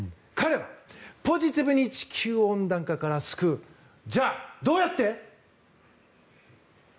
彼はポジティブに地球温暖化から救うじゃあどうやって？